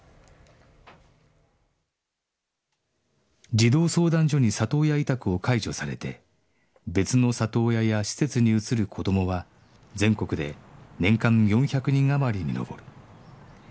児童相談所に里親委託を解除されて別の里親や施設に移る子どもは全国で年間４００人あまりに上る